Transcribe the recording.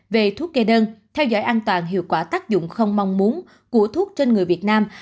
về thuốc kê đơn theo dõi an toàn hiệu quả tác dụng không mong muốn của thuốc trên người việt nam